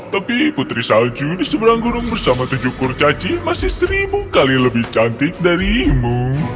tapi putri salju di seberang gunung bersama tujuh kurcaci masih seribu kali lebih cantik darimu